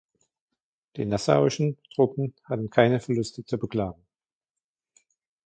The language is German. Die nassauischen Truppen hatten keine Verluste zu beklagen.